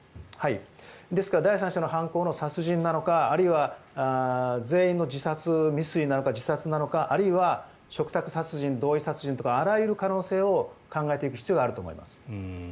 ですから第三者の犯行の殺人なのかあるいは全員の自殺未遂なのか自殺なのかあるいは嘱託殺人、同意殺人とかあらゆる可能性を考えていく必要があると思います。